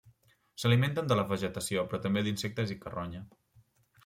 S'alimenten de la vegetació, però també d'insectes i carronya.